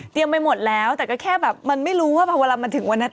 ไปหมดแล้วแต่ก็แค่แบบมันไม่รู้ว่าพอเวลามาถึงวันนั้น